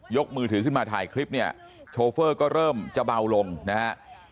มือถือขึ้นมาถ่ายคลิปเนี่ยโชเฟอร์ก็เริ่มจะเบาลงนะฮะ